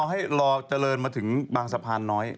ให้รอเจริญมาถึงบางสะพานน้อย